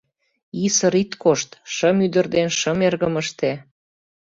Исыр ит кошт: шым ӱдыр ден шым эргым ыште...